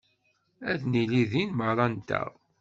Ad nili din merra-nteɣ.